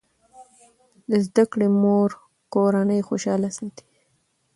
د زده کړې مور کورنۍ خوشاله ساتي.